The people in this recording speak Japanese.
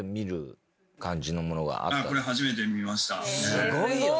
すごいよ。